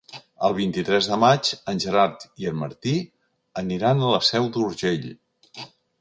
El vint-i-tres de maig en Gerard i en Martí aniran a la Seu d'Urgell.